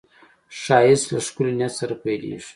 ښایست له ښکلي نیت سره پیلېږي